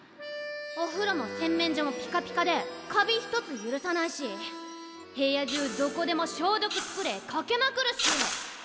おふろも洗面所もピカピカでカビ一つ許さないし部屋中どこでも消毒スプレーかけまくるし！